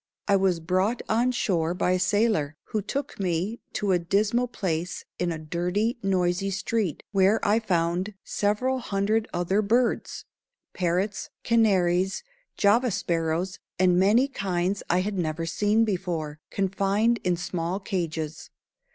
I was brought on shore by a sailor, who took me to a dismal place in a dirty, noisy street, where I found several hundred other birds parrots, canaries, Java sparrows, and many kinds I had never seen before, confined in small cages.